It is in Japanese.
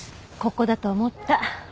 ここだと思った。